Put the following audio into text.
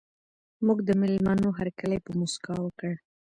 موږ د مېلمنو هرکلی په مسکا وکړ.